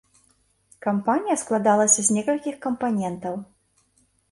Кампанія складалася з некалькіх кампанентаў.